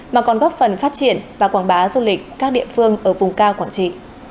mà còn góp phần phát triển và quảng bá du lịch các địa phương ở vùng cao quảng trị